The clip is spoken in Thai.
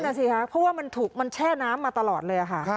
นั่นสิคะเพราะว่ามันถูกมันแช่น้ำมาตลอดเลยค่ะ